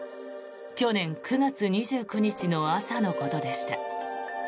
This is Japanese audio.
去年９月２９日の朝のことでした。